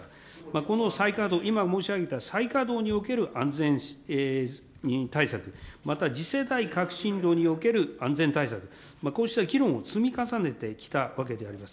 この再稼働、今申し上げた再稼働における安全対策、また次世代革新炉における安全対策、こうした議論を積み重ねてきたわけであります。